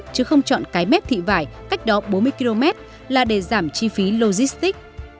chứ không chọn cái mép thị vải cách đó bốn mươi km là để giảm chi phí logistics